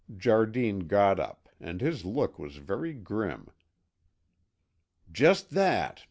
Jardine got up and his look was very grim. "Just that!